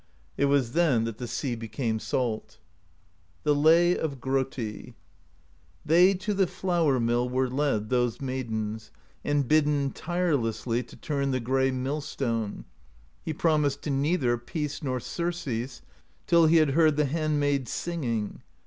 It was then that the sea became salt. [" The lay of Grotti : They to the flour mill Were led, those maidens, And bidden tirelessly To turn the gray mill stone: He promised to neither Peace nor surcease Till he had heard The handmaids' singing.